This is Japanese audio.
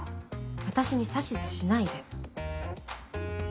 私に指図しないで。